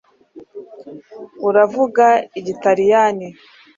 uravuga igitaliyani